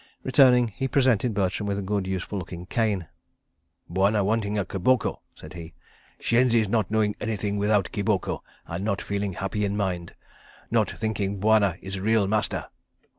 Returning, he presented Bertram with a good, useful looking cane. "Bwana wanting a kiboko," said he. "Shenzis not knowing anything without kiboko and not feeling happy in mind. Not thinking Bwana is a real master."